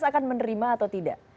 akan menerima atau tidak